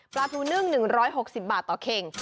ปลาทูนึ่ง๑๖๐บาทต่อเข่ง